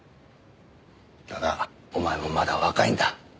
ただお前もまだ若いんだ。